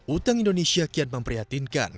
utang indonesia kian memprihatinkan